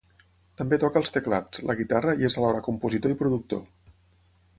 També toca els teclats, la guitarra i és alhora compositor i productor.